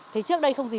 thì trước đây không gì